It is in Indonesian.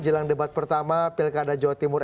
jelang debat pertama pilih kedah jawa timur